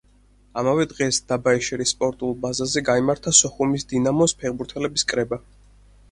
ამავე დღეს, დაბა ეშერის სპორტულ ბაზაზე გაიმართა სოხუმის „დინამოს“ ფეხბურთელების კრება.